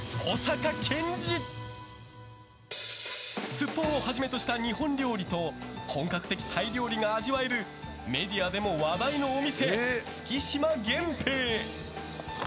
すっぽんをはじめとした日本料理と本格的タイ料理が味わえるメディアでも話題のお店月島源平。